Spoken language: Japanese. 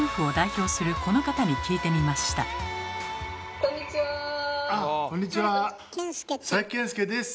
こんにちは。